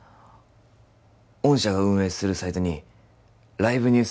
御社が運営するサイトにライブニュース